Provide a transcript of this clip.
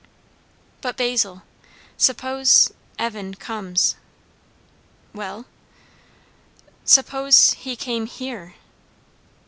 "But Basil suppose Evan comes?" "Well?" "Suppose he came here?"